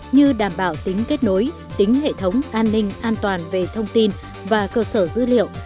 như đảm bảo tính kết nối tính hệ thống an ninh an toàn về thông tin và cơ sở dữ liệu